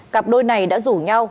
cặp đôi này đã rủ nhau